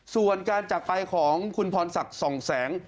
ส่วนการจักรไปของคุณพรศักดิ์ส่องแสง